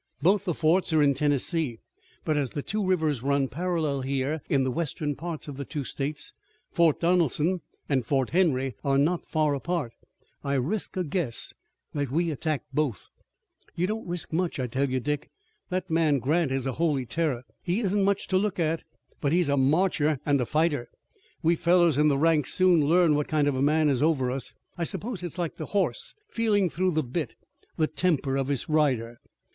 "Both the forts are in Tennessee, but as the two rivers run parallel here in the western parts of the two states, Fort Donelson and Fort Henry are not far apart. I risk a guess that we attack both." "You don't risk much. I tell you, Dick, that man Grant is a holy terror. He isn't much to look at, but he's a marcher and a fighter. We fellows in the ranks soon learn what kind of a man is over us. I suppose it's like the horse feeling through the bit the temper of his rider.